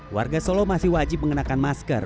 warga solo masih wajib mengenakan masker